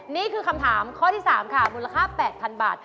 นี่คือคำถามข้อที่๓ค่ะมูลค่า๘๐๐๐บาท